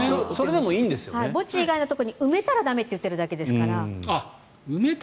墓地以外のところに埋めたら駄目って言ってるだけなので。